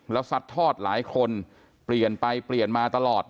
แล้วซัดทอดหลายคนเปลี่ยนไปเปลี่ยนมาตลอด